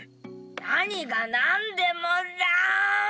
なにがなんでもらーめ！